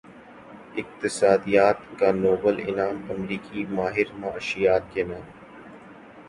اقتصادیات کا نوبل انعام امریکی ماہر معاشیات کے نام